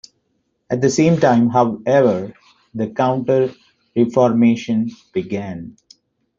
At the same time, however, the Counter-Reformation began.